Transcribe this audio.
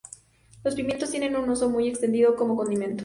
Los pimientos tienen un uso muy extendido como condimento.